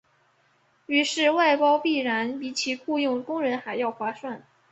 于是外包必然比起雇用工人还要划算。